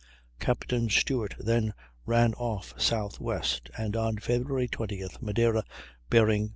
Captain Stewart then ran off southwest, and on Feb. 20th, Madeira bearing W.